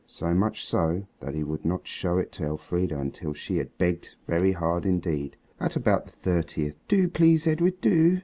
So much so, that he would not show it to Elfrida until she had begged very hard indeed. At about the thirtieth "Do, please! Edred, do!"